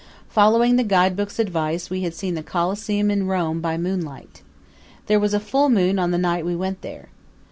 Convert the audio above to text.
Following the guidebook's advice we had seen the Colosseum in Rome by moonlight. There was a full moon on the night we went there.